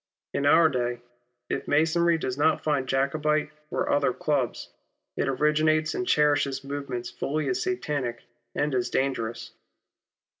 Ill In our day, if Masonry does not found Jacobite or otlier clubs, it originates and cherishes movements fully as satanic and as dangerous.